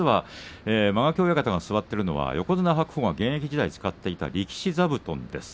間垣親方が座っているのは横綱白鵬が現役時代に使っていた力士座布団です。